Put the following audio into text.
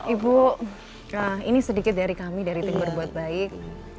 ibu ini sedikit dari kami dari timber buat baik